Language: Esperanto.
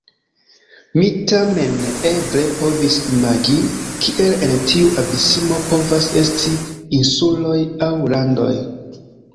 Mi tamen neeble povis imagi, kiel en tiu abismo povas esti insuloj aŭ landoj.